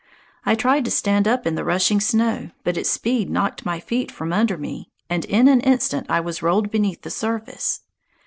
I tried to stand up in the rushing snow, but its speed knocked my feet from under me, and in an instant I was rolled beneath the surface.